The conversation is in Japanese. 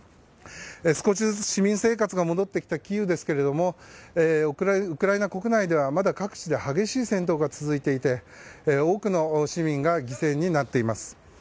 少しずつ市民生活が戻ってきたキーウですけどもウクライナ国内ではまだ各地で激しい戦闘が続いていて多くの市民が犠牲になっています。